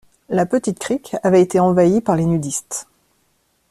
La petite crique avait été envahie par les nudistes.